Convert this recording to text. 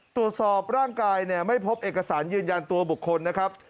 ตรวจสอบร่างกายเนี่ยไม่พบเอกสารยืนยันตัวบุคคลนะครับ